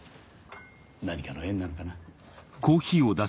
何かの縁なのかな。